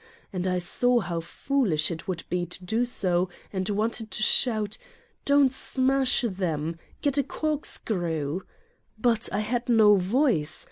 And I saw how foolish it would be to do so and wanted to shout: " Don't smash them. Get a corkscrew!" But I had no voice.